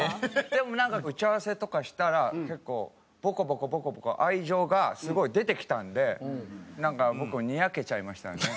でもなんか打ち合わせとかしたら結構ボコボコボコボコ愛情がすごい出てきたんでなんか僕ニヤけちゃいましたね。